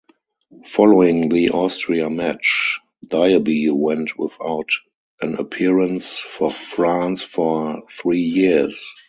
Following the Austria match, Diaby went without an appearance for France for three years.